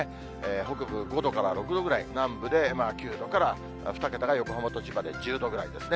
北部５度から６度ぐらい、南部で９度から２桁が横浜と千葉で１０度ぐらいですね。